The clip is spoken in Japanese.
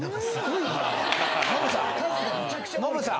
ノブさん！